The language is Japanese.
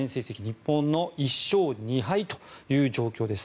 日本の１勝２敗という状況です。